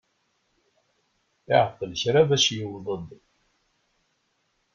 Iɛeṭṭel kra bac yewweḍ-d.